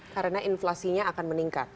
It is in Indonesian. karena inflasinya akan meningkat